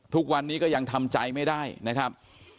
ทุกวันนี้ก็ยังทำใจไม่ได้นะครับ